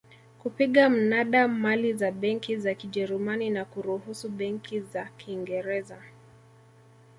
kupiga mnada mali za benki za Kijerumani na kuruhusu benki za Kiingereza